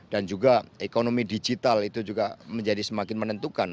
dan juga ekonomi digital itu juga menjadi semakin menentukan